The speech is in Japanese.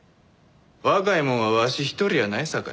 若いもんはわし一人やないさかいな。